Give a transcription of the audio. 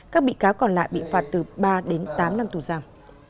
các bị cáo còn lại bị phạt từ ba đến tám năm tù giam